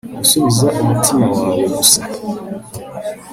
gusubiza umutima wawe gusa